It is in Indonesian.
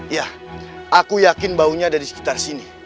ya aku yakin baunya ada di sekitar sini